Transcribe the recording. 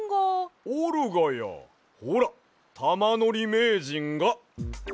おるがやほらたまのりめいじんが。